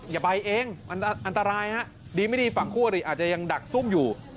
ก็ไปเองอันตรายดีไม่ดีฝั่งผู้อาจจะยังดักซุ่มอยู่